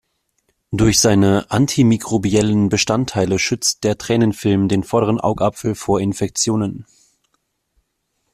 Durch seine antimikrobiellen Bestandteile schützt der Tränenfilm den vorderen Augapfel vor Infektionen.